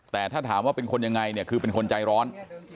แต่ถ้าถามว่าเป็นคนยังไงเนี่ยคือเป็นคนใจร้อน